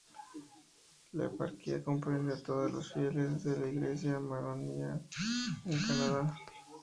La eparquía comprende a todos los fieles de la Iglesia maronita en Canadá.